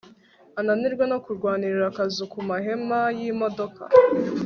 ananiwe no kurwanira akazu kumahema yimodoka